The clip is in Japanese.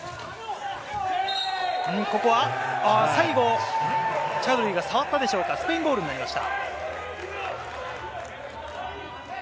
ここは再度チャウドリーが触ったでしょうか、スペインボールになりました。